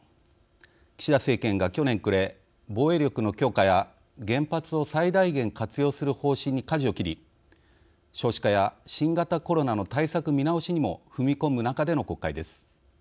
岸田政権が去年暮れ防衛力の強化や原発を最大限活用する方針にかじを切り少子化や新型コロナの対策見直しにも踏み込む中での国会です。